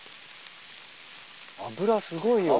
脂すごいよ。